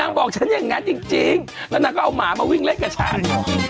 นางบอกฉันอย่างนั้นจริงจริงแล้วนางก็เอาหมามาวิ่งเละกะช่า